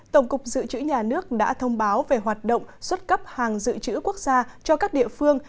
tổng cục dự trữ nhà nước đã thông báo về hoạt động xuất cấp hàng dự trữ quốc gia cho các địa phương